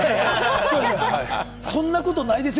忍君、「そんなことないですよ」